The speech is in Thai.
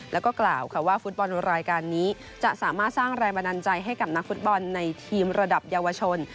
แล้วก็กล่าวค่ะว่าฟุตบอลรายการนี้จะสามารถสร้างแรงบันดาลใจให้กับนักฟุตบอลในทีมระดับเยาวชน